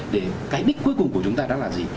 để cái đích cuối cùng của chúng ta đó là gì